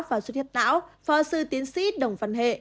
và suốt huyệt não phó sư tiến sĩ đồng văn hệ